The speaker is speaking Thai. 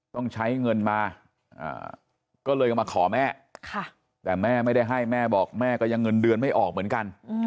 ต้องใช้เงินมาก็เลยมาขอแม่แต่แม่ไม่ได้ให้แม่บอกแม่ก็ยังเงินเดือนไม่ออกเหมือนกัน